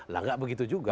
lah nggak begitu juga